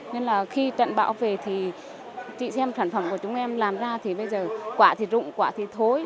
nên là khi trận bão về thì chị xem sản phẩm của chúng em làm ra thì bây giờ quả thì rụng quả thì thối